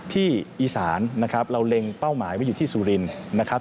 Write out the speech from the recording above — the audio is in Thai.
อีสานนะครับเราเล็งเป้าหมายว่าอยู่ที่สุรินทร์นะครับ